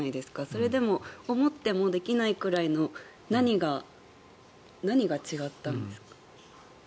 それでも、思ってもできないくらいの何が違ったんですか？